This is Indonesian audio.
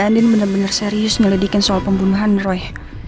mba andien bener bener serius ngeledikin soal pembunuhan roy